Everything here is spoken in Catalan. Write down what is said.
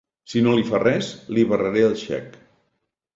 Si no li fa res, li barraré el xec.